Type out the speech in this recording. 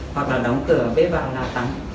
hoặc là đóng cửa bếp vào là tắm